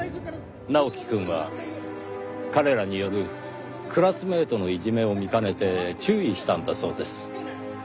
直樹くんは彼らによるクラスメートのいじめを見かねて注意したんだそうです。